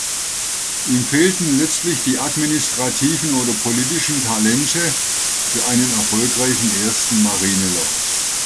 Ihm fehlten letztlich die administrativen oder politischen Talente für einen erfolgreichen ersten Marinelord.